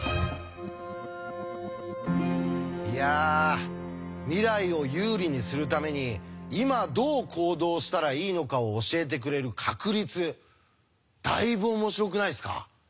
いや未来を有利にするために今どう行動したらいいのかを教えてくれる確率。だいぶ面白くないですか？